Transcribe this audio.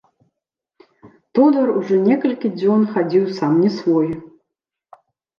Тодар ужо некалькі дзён хадзіў сам не свой.